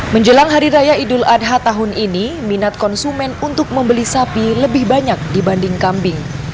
menjelang hari raya idul adha tahun ini minat konsumen untuk membeli sapi lebih banyak dibanding kambing